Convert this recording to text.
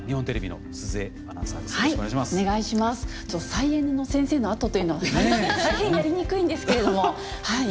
再エネの先生のあとというのは大変やりにくいんですけれどもはい。